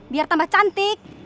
biar tambah cantik